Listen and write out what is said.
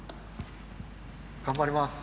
頑張ります。